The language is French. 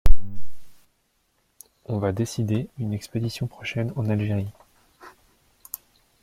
On va décider une expédition prochaine en Algérie.